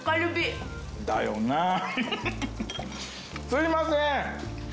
すいません！